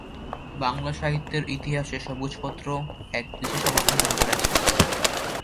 বাংলা সাহিত্যের ইতিহাসে 'সবুজ পত্র' এক বিশেষ অবস্থান দখল করে আছে।